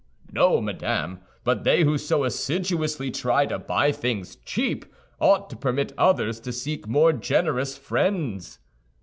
"No, madame; but they who so assiduously try to buy things cheap ought to permit others to seek more generous friends."